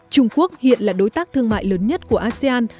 trung quốc hiện là đối tác thương mại lớn nhất của asean